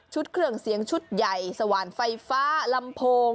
เครื่องเสียงชุดใหญ่สว่านไฟฟ้าลำโพง